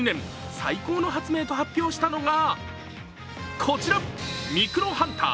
最高の発明と発表したのがこちら、ミクロハンター。